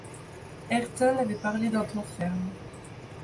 Ayrton avait parlé d’un ton ferme.